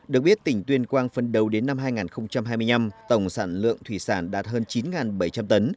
được biết tỉnh tuyên quang phân đầu đến năm hai nghìn hai mươi năm tổng sản lượng thủy sản đạt hơn chín bảy trăm linh tấn